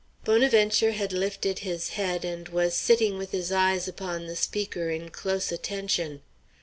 Bonaventure had lifted his head and was sitting with his eyes upon the speaker in close attention.